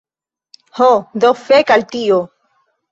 Ho, do fek al tio